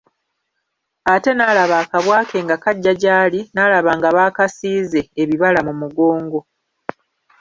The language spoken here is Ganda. Ate n'alaba akabwa ke nga kajja gy'ali n'alaba nga bakasiize ebibala mu mugongo.